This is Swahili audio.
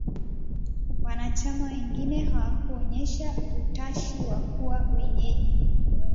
Wanachama wengine hawakuonyesha utashi wa kuwa wenyeji